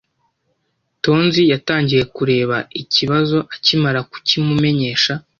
Tonzi yatangiye kureba ikibazo akimara kukimumenyesha.